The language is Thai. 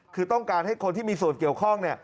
คือต้องการให้คนที่มีส่วนเกี่ยวข้อง